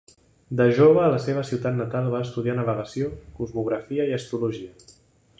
De jove a la seva ciutat natal va estudiar navegació, cosmografia i astrologia.